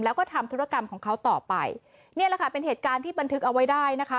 แล้วก็ทำธุรกรรมของเขาต่อไปนี่แหละค่ะเป็นเหตุการณ์ที่บันทึกเอาไว้ได้นะคะ